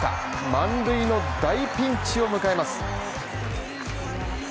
満塁の大ピンチを迎えます。